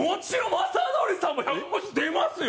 雅紀さんも１５０出ますよ！